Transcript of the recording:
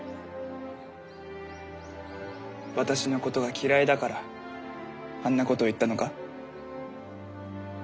私のことが嫌いだからあんなことを言ったのか？